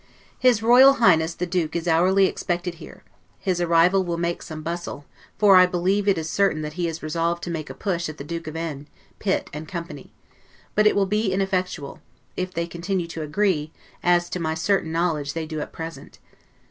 His Royal Highness the Duke is hourly expected here: his arrival will make some bustle; for I believe it is certain that he is resolved to make a push at the Duke of N., Pitt and Co.; but it will be ineffectual, if they continue to agree, as, to my CERTAIN KNOWLEDGE, they do at present.